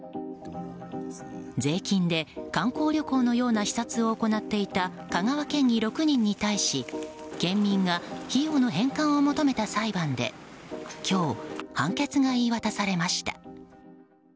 税金で観光旅行のような視察を行っていた香川県議６人に対し県民が費用の返還を求めた裁判で今日、判決が言い渡されました。